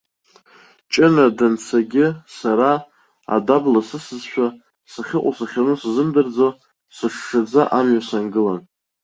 Ҷына данцагьы, сара, адабла сысызшәа, сахьыҟоу-сахьану сзымдырӡо, сышшаӡа амҩа сангылан.